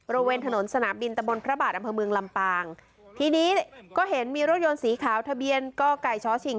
บริเวณถนนสนามบินตะบนพระบาทอำเภอเมืองลำปางทีนี้ก็เห็นมีรถยนต์สีขาวทะเบียนกไก่ช้อชิง